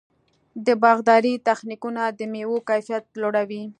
د باغدارۍ تخنیکونه د مېوو کیفیت لوړوي.